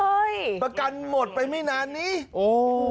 เฮ้ยประกันหมดไปไม่นานนี้โอ้โฮ